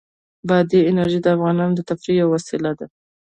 بادي انرژي د افغانانو د تفریح یوه وسیله ده.